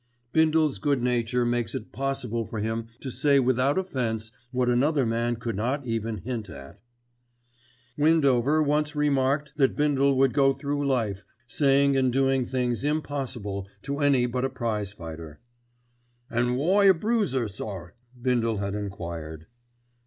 '" Bindle's good nature makes it possible for him to say without offence what another man could not even hint at. Windover once remarked that Bindle would go through life saying and doing things impossible to any but a prize fighter. "An' why a bruiser, sir?" Bindle had enquired.